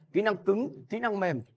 kỹ năng cứng kỹ năng mềm